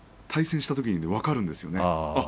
対戦をしたときに分かるんですね